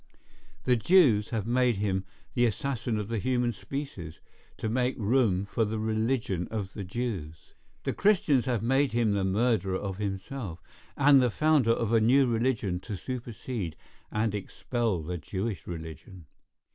The Jews have made him the assassin of the human species, to make room for the religion of the Jews. The Christians have made him the murderer of himself, and the founder of a new religion to supersede and expel the Jewish religion.